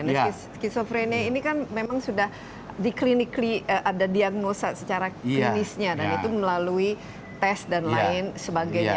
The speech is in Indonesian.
nah schizophrenia ini kan memang sudah ada diagnosa secara klinisnya dan itu melalui tes dan lain sebagainya